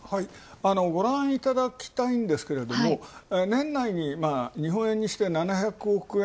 ご覧いただきたいんですけれども年内に日本円にして７００億円